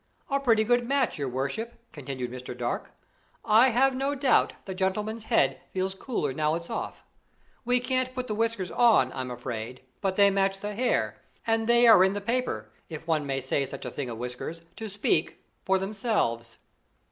"A pretty good match, your worship," continued Mr. Dark. "I have no doubt the gentleman's head feels cooler now it's off. We can't put the whiskers on, I'm afraid, but they match the hair; and they are in the paper (if one may say such a thing of whiskers) to speak for themselves."